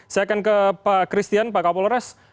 saya akan ke pak christian pak kapolres